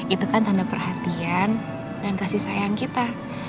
itu kan tanda perhatian dan kasih sayang kita